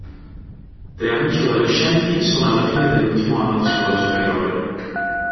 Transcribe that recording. Tre amici adolescenti sono alla fine dell'ultimo anno di scuola superiore.